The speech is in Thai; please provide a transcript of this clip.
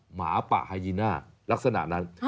หมาป่าไฮยีน่าลักษณะนั้น